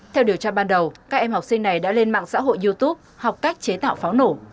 theo điều tra ban đầu các em học sinh này đã lên mạng xã hội youtube học cách chế tạo pháo nổ